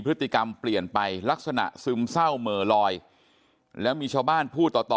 พฤติกรรมเปลี่ยนไปลักษณะซึมเศร้าเหม่อลอยแล้วมีชาวบ้านพูดต่อต่อ